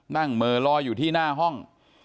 นั่งเมลอยอยู่ที่หน้าห้อง